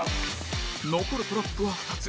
残るトラップは２つ